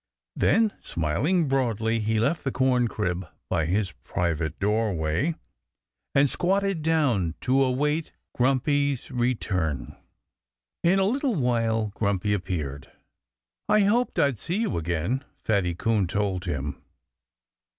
Then, smiling broadly, he left the corncrib by his private doorway and squatted down to await Grumpy's return. In a little while Grumpy appeared. "I hoped I'd see you again," Fatty Coon told him.